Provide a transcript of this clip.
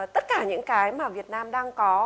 tất cả những cái mà việt nam đang có